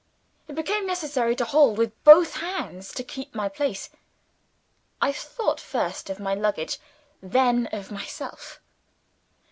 It became necessary to hold with both hands to keep my place. I thought first of my luggage then of myself.